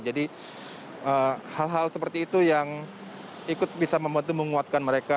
dan hal hal seperti itu yang ikut bisa membantu menguatkan mereka